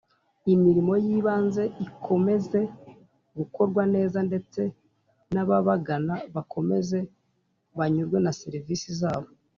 imirimo y ibanze ikomeze gukorwa neza ndetse nababagana bakomeze banyurwe na serivisi zabo.